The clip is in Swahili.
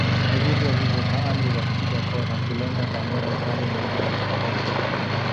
Ni vivyo hivyo kwa amri za kupiga kona, kulenga kamera upande mwingine na kadhalika.